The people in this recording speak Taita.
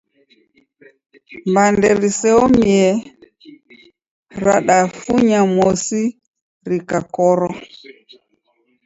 Mbande riseomie radafunya mosi rikakorwa.